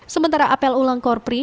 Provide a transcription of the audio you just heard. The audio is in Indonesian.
sementara apel ulang korpri